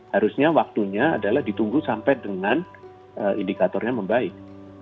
harusnya waktunya adalah ditunggu sampai dengan indikatornya membaik